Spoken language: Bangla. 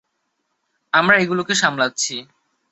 আমরা এগুলোকে সামলাচ্ছি!